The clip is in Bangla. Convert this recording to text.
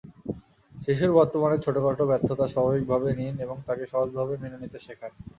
শিশুর বর্তমানের ছোটখাটো ব্যর্থতা স্বাভাবিকভাবে নিন এবং তাকে সহজভাবে মেনে নিতে শেখান।